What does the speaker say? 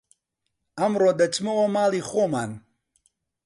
ئەمڕۆ دەچمەوە ماڵی خۆمان